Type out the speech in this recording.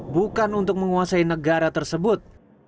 bukan untuk menguasai negara tersebut